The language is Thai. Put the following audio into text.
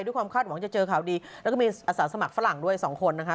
ความคาดหวังจะเจอข่าวดีแล้วก็มีอาสาสมัครฝรั่งด้วยสองคนนะคะ